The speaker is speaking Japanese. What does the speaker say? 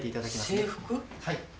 はい。